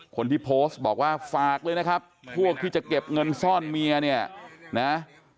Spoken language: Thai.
คนที่โพสต์บอกว่าฝากเลยนะครับพวกที่จะเก็บเงินซ่อนเมียเนี่ยนะ